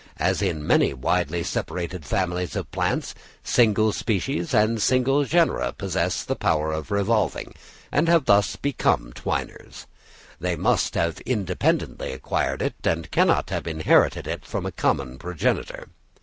As in many widely separated families of plants, single species and single genera possess the power of revolving, and have thus become twiners, they must have independently acquired it, and cannot have inherited it from a common progenitor.